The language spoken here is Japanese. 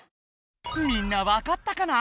みんな分かったかな？